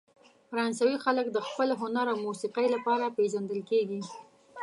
فرانسوي خلک د خپل هنر او موسیقۍ لپاره پېژندل کیږي.